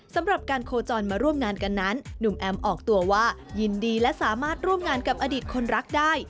สำหรับการโคจรมาร่วมงานกันนั้นหนุ่มแอมออกตัวว่ายินดีและสามารถร่วมงานกับอดีตคนรักได้